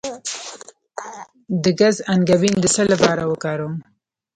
د ګز انګبین د څه لپاره وکاروم؟